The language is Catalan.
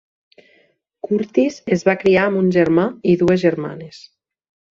Curtis es va criar amb un germà i dues germanes.